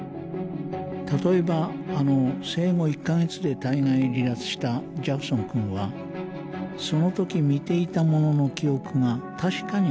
例えばあの生後１か月で体外離脱したジャクソン君はその時見ていたものの記憶が確かにあり